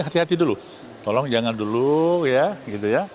hati dulu tolong jangan dulu ya